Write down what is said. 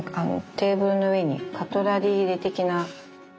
テーブルの上にカトラリー入れ的な。